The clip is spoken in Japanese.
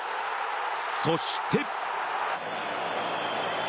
そして。